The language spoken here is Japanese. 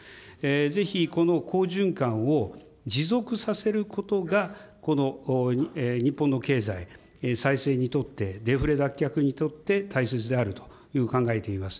ぜひこの好循環を持続させることが、この日本の経済再生にとって、デフレ脱却にとって大切であるというふうに考えています。